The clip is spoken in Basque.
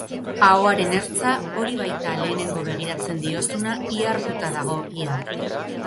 Ahoaren ertza, hori baita lehenengo begiratzen diozuna, ihartuta dago ia.